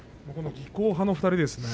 技巧派の２人ですよね